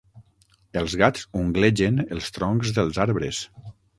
Els gats unglegen els troncs dels arbres.